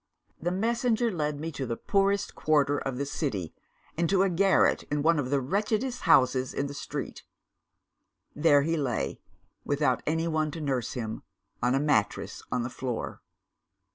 "The messenger led me to the poorest quarter of the city and to a garret in one of the wretchedest houses in the street. There he lay, without anyone to nurse him, on a mattress on the floor.